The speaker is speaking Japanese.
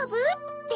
って。